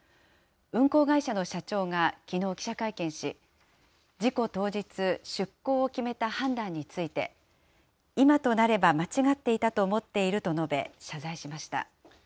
運航会社の社長がきのう、記者会見し、事故当日、出航を決めた判断について、今となれば間違っていたと思っていると述べ、謝罪しました。